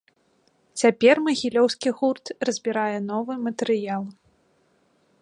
Цяпер магілёўскі гурт разбірае новы матэрыял.